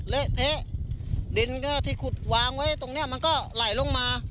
เละเทะดินก็ที่ขุดวางไว้ตรงนี้มันก็ไหลลงมา